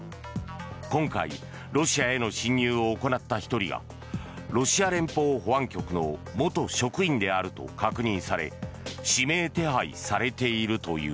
今回、ロシアへの侵入を行った１人がロシア連邦保安局の元職員であると確認され指名手配されているという。